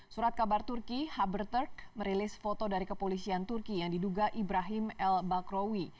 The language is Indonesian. surat kabar turki haberturk merilis foto dari kepolisian turki yang diduga ibrahim el bakrowi